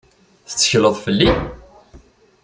Tettekleḍ fell-i?